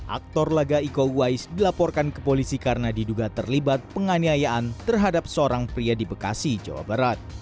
aktor laga iko huais dilaporkan ke polisi karena diduga terlibat penganiayaan terhadap seorang pria di bekasi jawa barat